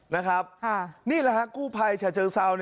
นะครับนี่แหละครับกู้ภัยชาเจอร์เซา